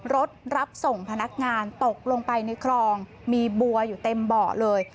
รถรับส่งพนักงานตกลงไปในคลองมีบัวอยู่เต็มเบาะเลย